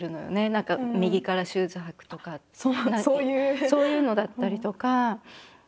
何か右からシューズ履くとかってそういうのだったりとか。